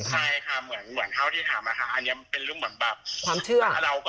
ใช่ค่ะเหมือนเท่าที่ถามนะคะอันนี้เป็นเรื่องเหมือนแบบ